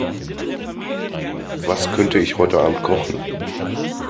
Was könnte ich heute Abend kochen?